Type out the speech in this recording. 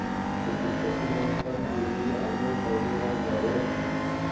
دا پلچکونه اوس کم جوړیږي او نور ډولونه مروج دي